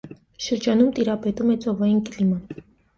Շրջանում տիրապետում է ծովային կլիման։